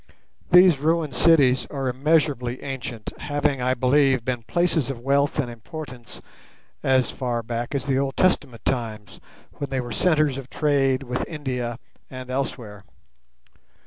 These ruined cities are immeasurably ancient, having, I believe, been places of wealth and importance as far back as the Old Testament times, when they were centres of trade with India and elsewhere.